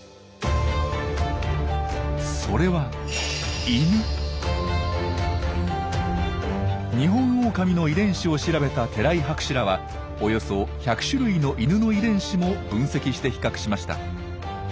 それはニホンオオカミの遺伝子を調べた寺井博士らはおよそ１００種類のイヌの遺伝子も分析して比較しました。